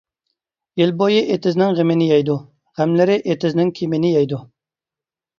يىل بويى ئېتىزنىڭ غېمىنى يەيدۇ، غەملىرى ئېتىزنىڭ كېمىنى يەيدۇ.